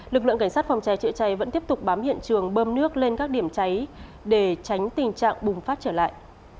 lực lượng cảnh sát phòng cháy chữa cháy vẫn tiếp tục bám hiện trường bơm nước lên các điểm cháy để tránh tình trạng bùng phát trở lại